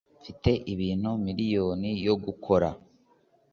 mfite ibintu miriyoni yo gukora